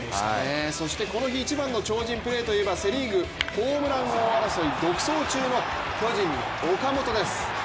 そしてこの日一番の超人プレーといえばセ・リーグ、ホームラン王争い独走中の巨人・岡本です。